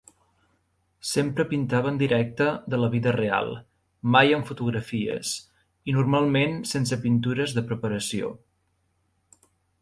Sempre pintava en directe de la vida real, mai amb fotografies, i normalment sense pintures de preparació.